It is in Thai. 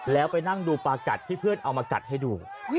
แล้วไปนั่งดูปลากัดที่เพื่อนเอามากัดให้ดู